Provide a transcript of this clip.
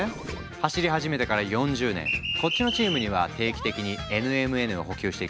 走り始めてから４０年こっちのチームには定期的にＮＭＮを補給していくよ。